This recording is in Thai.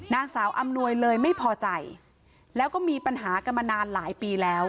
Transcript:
นางสาวอำนวยเลยไม่พอใจแล้วก็มีปัญหากันมานานหลายปีแล้ว